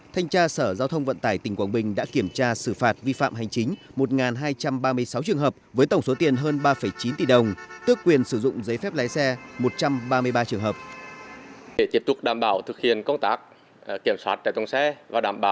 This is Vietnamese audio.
thanh tra sở giao thông vận tải tỉnh quảng bình đã kiểm tra xử phạt vi phạm hành chính một hai trăm ba mươi sáu trường hợp với tổng số tiền hơn ba chín tỷ đồng tước quyền sử dụng giấy phép lái xe một trăm ba mươi ba trường hợp